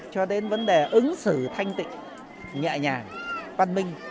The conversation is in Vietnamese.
cho đến vấn đề ứng xử thanh tịnh nhẹ nhàng văn minh